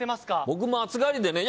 僕も暑がりでね。